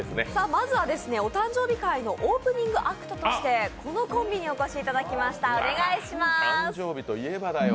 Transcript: まずはお誕生日会のオープニングアクトとしてこのコンビにお越しいただきました。